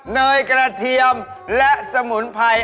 เนยกระเทียมและสมุนไพร